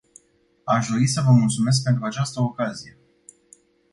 Aș dori să vă mulțumesc pentru această ocazie.